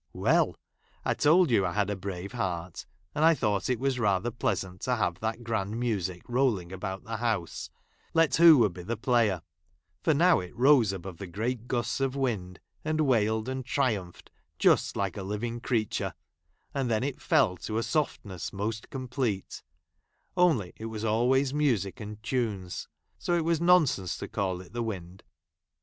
"W^ell !! I told you I had a brave heart ; and I thought j it was rather pleasant to have that grand I music rolling about the house, let who would : j be the player ; for now it rose above the great gusts of wind, and wailed and triitmphed | just like a living creature, and then it fell to | a softness most complete ; only it was always music and tunes, so it was nonsense to call it the wind.